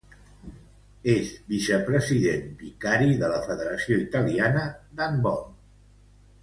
És vicepresident vicari de la Federació Italiana d'Handbol.